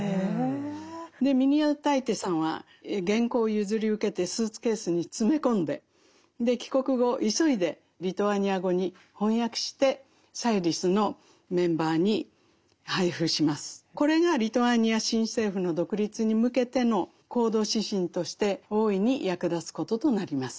でミニオタイテさんは原稿を譲り受けてスーツケースに詰め込んで帰国後これがリトアニア新政府の独立に向けての行動指針として大いに役立つこととなります。